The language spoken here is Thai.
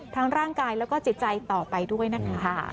ร่างกายแล้วก็จิตใจต่อไปด้วยนะคะ